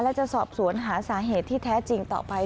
และจะสอบสวนหาสาเหตุที่แท้จริงต่อไป